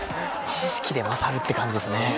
知識で勝るって感じですね。